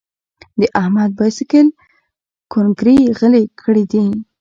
د احمد باسکل کونګري غلي کړي دي.